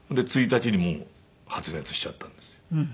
１日にもう発熱しちゃったんですよ。